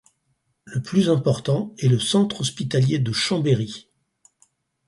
Le plus important est le centre hospitalier de Chambéry.